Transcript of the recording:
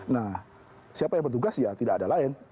nah siapa yang bertugas ya tidak ada lain